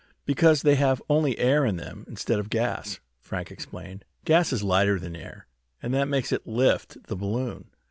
"Because they have only air in them, instead of gas," Frank explained. "Gas is lighter than air, and that makes it lift the balloon.